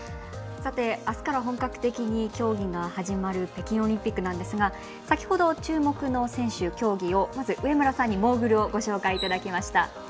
あすから本格的に競技が始まる北京オリンピックですが先ほど、注目の選手、競技をまず上村さんにモーグルをご紹介いただきました。